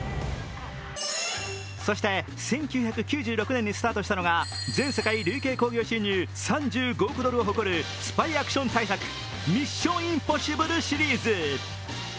そして１９９６年にスタートしたのが全世界累計興行収入３５億ドルを誇るスパイアクション大作、「ミッション：インポッシブル」シリーズ。